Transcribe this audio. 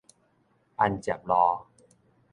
安捷路